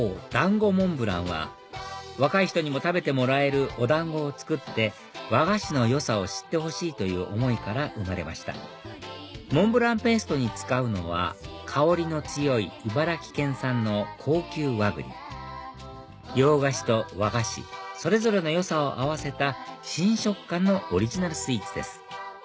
ＤＡＮＧＯＭＯＮＴＢＬＡＮＣは若い人にも食べてもらえるお団子を作って和菓子の良さを知ってほしいという思いから生まれましたモンブランペーストに使うのは香りの強い茨城県産の高級和栗洋菓子と和菓子それぞれの良さを合わせた新食感のオリジナルスイーツです